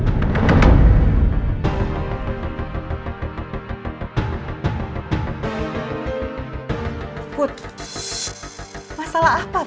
ini pun aku siapkan rabbit nih